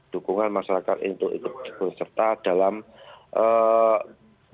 dukungan masyarakat untuk ikut dukungan serta dalam perjalanan